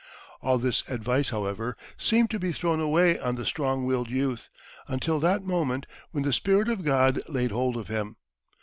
All this advice, however, seemed to be thrown away on the strong willed youth, until that moment when the Spirit of God laid hold of him.